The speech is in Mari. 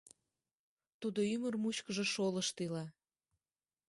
Тудо ӱмыр мучкыжо шолышт ила!